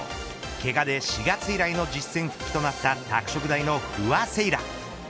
けがで４月以来の実戦復帰となった拓殖大の不破聖衣来。